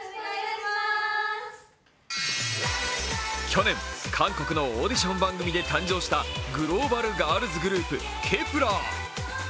去年、韓国のオーディション番組で登場したグローバルガールズグループ、Ｋｅｐ１ｅｒ。